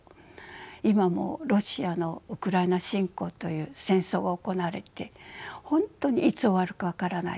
今もロシアのウクライナ侵攻という戦争が行われて本当にいつ終わるか分からない。